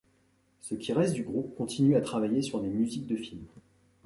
Ce qui reste du groupe continue à travailler sur des musiques de films.